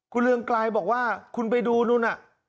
คุณเรืองไกรบอกว่าคุณไปดูนู่นน่ะ